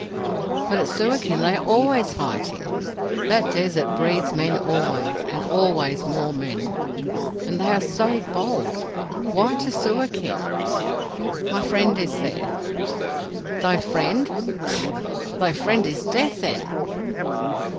"But at Suakin they are always fighting. That desert breeds men always—and always more men. And they are so bold! Why to Suakin?" "My friend is there. "Thy friend! Chtt! Thy friend is death, then."